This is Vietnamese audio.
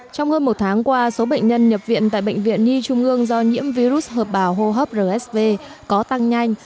trong hơn một tháng qua số bệnh nhân nhập viện tại bệnh viện nhi trung ương do nhiễm virus hợp bào hô hấp rsv có tăng nhanh